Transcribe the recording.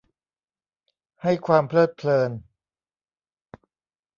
ให้ความเพลิดเพลิน